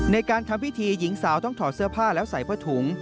ในการทำพิธีหญิงสาวต้องถอดเสื้อผ้าแล้วใส่ผ้าถุง